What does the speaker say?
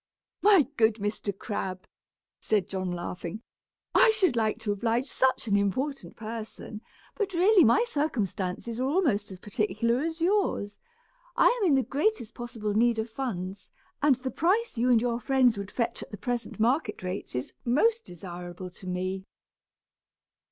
"My good Mr. Crab," said John, laughing, "I should like to oblige such an important person, but really my circumstances are almost as particular as yours. I am in the greatest possible need of funds, and the price you and your friends would fetch at the present market rates is most desirable to me."